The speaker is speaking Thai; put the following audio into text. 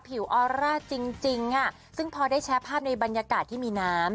ออร่าจริงจริงค่ะซึ่งพอได้แชร์ภาพในบรรยากาศที่มีน้ำ